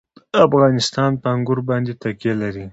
افغانستان په انګور باندې تکیه لري.